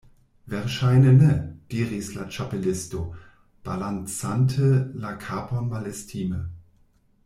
"Verŝajne ne," diris la Ĉapelisto, balancante la kapon malestime.